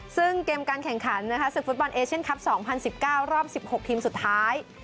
ซึ่งเกมการแข่งขันนะคะศึกฟุตบอลเอเชียนคลับ๒๐๑๙รอบ๑๖ทีมสุดท้าย